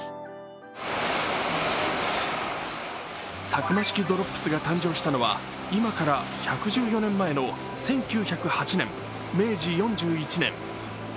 サクマ式ドロップスが誕生したのは今から１１４年前の１９０８年、明治４１年。